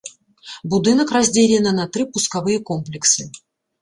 Будынак раздзелены на тры пускавыя комплексы.